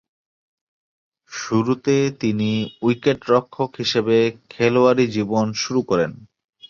শুরুতে তিনি উইকেট-রক্ষক হিসেবে খেলোয়াড়ী জীবন শুরু করেন।